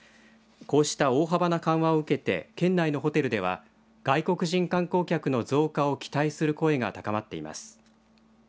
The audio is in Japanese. こうした大幅な緩和を受けて県内のホテルでは外国人観光客の増加を期待する声が高まっています。